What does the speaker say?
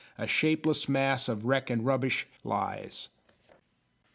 A shapeless mass of wreck and rubbish lies.